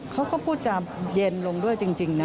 เขาก็พูดจาเย็นลงด้วยจริงนะ